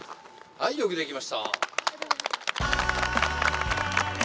はいよくできました。